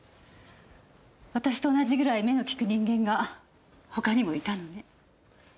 私と同じぐらい目の利く人間が他にもいたのね。